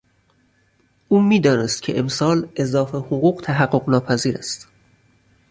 او میدانست که امسال اضافه حقوق تحققناپذیر است.